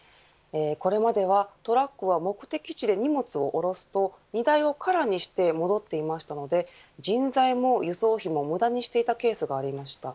これまではトラックは目的地で荷物を降ろすと荷台を空にして戻っていましたので人材も輸送費も無駄にしていたケースがあります。